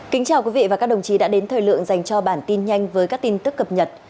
kính chào quý vị và các đồng chí đã đến thời lượng dành cho bản tin nhanh với các tin tức cập nhật